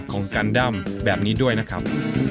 ของการด้ำแบบนี้ด้วยนะครับ